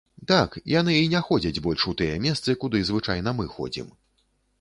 Так, яны і не ходзяць больш у тыя месцы, куды звычайна мы ходзім.